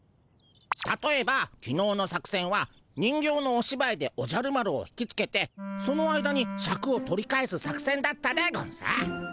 たとえばきのうの作せんは人形のおしばいでおじゃる丸を引きつけてその間にシャクを取り返す作せんだったでゴンス。